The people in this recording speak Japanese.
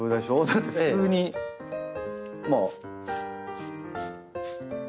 だって普通にまあ。